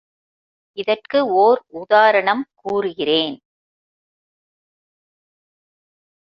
இதற்கு ஓர் உதாரணம் கூறுகிறேன்.